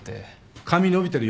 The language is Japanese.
髪伸びてるよ。